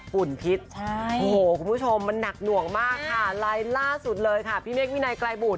ฝุ่นพิษใช่โอ้โหคุณผู้ชมมันหนักหน่วงมากค่ะลายล่าสุดเลยค่ะพี่เมฆวินัยไกรบุต